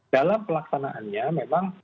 dalam pelaksanaannya memang